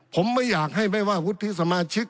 ผมไม่อยากให้ไม่ว่าวุฒิสมาชิก